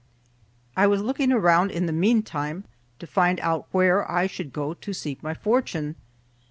I was looking around in the mean time to find out where I should go to seek my fortune.